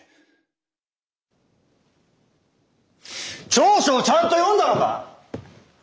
調書をちゃんと読んだのか？